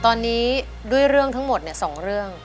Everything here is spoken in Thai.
ตอนนี้ด้วยเรื่องทั้งหมด๒เรื่อง